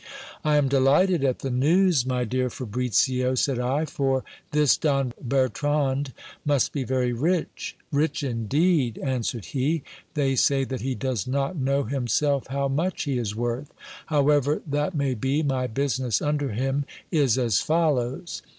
I am delighted at the news, my dear Fabricio, said I, for this Don Bertrand must be very rich. Rich indeed ! answered he ; they say that he does not know himself how much he is worth. However that may be, my business under him is as follows.